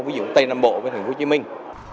ví dụ tây nam bộ với thành phố hồ chí minh